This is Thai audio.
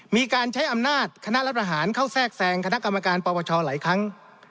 มีการใช้อำนาจคณะรัฐประหารเข้าแทรกแซงคณะกรรมการปปชหลายครั้ง